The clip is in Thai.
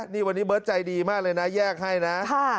นี่วันนี้เบิร์ตใจดีมากเลยนะแยกให้นะ